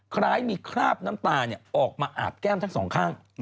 คล้ายมีคราบน้ำตาออกมาอาบแก้มทั้งสองข้าง